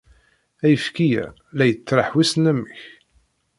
Ayefki-a la yettraḥ wissen amek.